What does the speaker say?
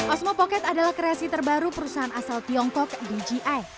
osmo pocket adalah kreasi terbaru perusahaan asal tiongkok dji